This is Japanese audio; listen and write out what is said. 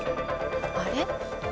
あれ？